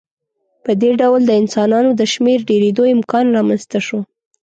په دې ډول د انسانانو د شمېر ډېرېدو امکان رامنځته شو.